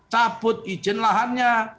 cabut izin lahannya